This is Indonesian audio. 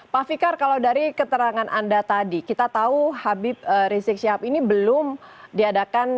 pak fikar kalau dari keterangan anda tadi kita tahu habib rizik syihab ini belum diadakan